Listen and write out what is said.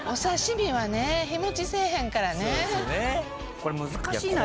これ難しいな。